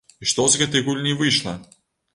І што з гэтай гульні выйшла?